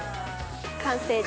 完成です。